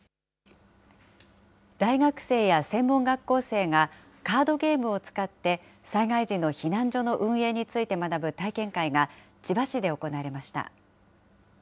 大学生や専門学校生が、カードゲームを使って、災害時の避難所の運営について学ぶ体験会が、千葉市で行われました。